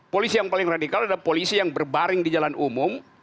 polisi yang paling radikal ada polisi yang berbaring di jalan umum